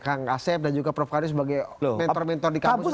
kang asep dan juga prof kadir sebagai mentor mentor di kampus